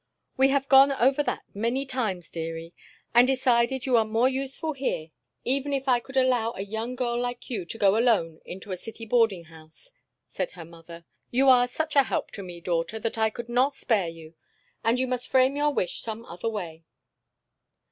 We have gone over that many times, dearie, and decided you are more useful here, even if I could allow a young girl like you to go alone into a city boarding house," said her mother. "You are such a help to me, daughter, that I could not spare you, and you must frame your wish another way."